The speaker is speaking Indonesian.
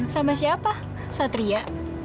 sama siapa satria